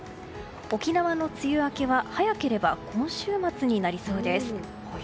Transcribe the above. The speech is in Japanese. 沖縄の梅雨明けは早ければ今週末になりそうです。